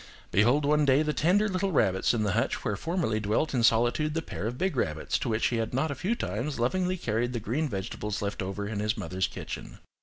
behold one day the tender little rabbits in the hutch where formerly dwelt in solitude the pair of big rabbits to which he had not a few times lovingly carried the green vegetables left over in his mother's kitchen!